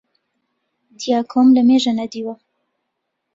دیاکۆم لەمێژە نەدیوە